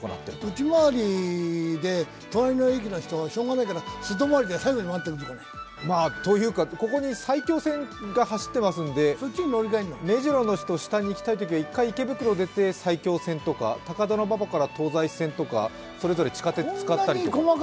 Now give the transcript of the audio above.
内回りで隣の駅の人がしようがないから外回りで最後に回ってくるのかね。というか、ここに埼京線が走っていますので、目白の人、下に行きたい人は１回池袋に出て埼京線とか高田馬場から東西線とかそれぞれ地下鉄使ったりとか。